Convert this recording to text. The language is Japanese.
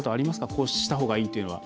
こうしたほうがいいというのは。